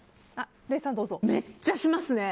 めっちゃしますね。